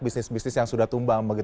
bisnis bisnis yang sudah tumbang